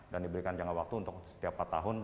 dan diberikan jangka waktu untuk setiap empat tahun